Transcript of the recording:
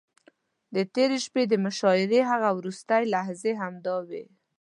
د تېرې شپې د مشاعرې هغه وروستۍ لحظې همداوې.